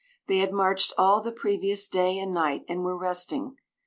They had marched all the previous day and night, and were resting.